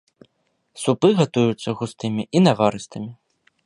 Супы гатуюцца густымі і наварыстымі.